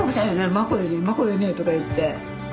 マコよねマコよね？とか言って。